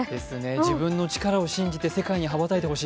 自分の力を信じて世界に羽ばたいてほしい。